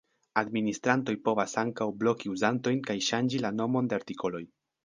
Administrantoj povas ankaŭ bloki uzantojn kaj ŝanĝi la nomon de artikoloj.